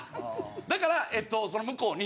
だからえっとその向こうに。